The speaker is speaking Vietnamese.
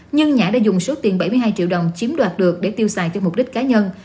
nhưng nhã đã dùng số tiền bảy mươi hai triệu đồng chiếm đoạt được để tiêu xài cho mục đích cá nhân